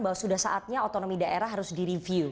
bahwa sudah saatnya otonomi daerah harus direview